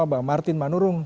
bang martin manurung